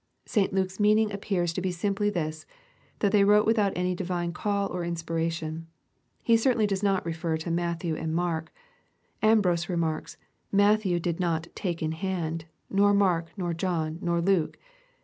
St Lake's meaning appears to be nmplj' this, that they wrote without any divine call or inspiration, ae certainly does not refer to Matthew and Mark. Ambrose re marks, " Matthew did not take in hand^ nor Mark, nor John, nor Luke.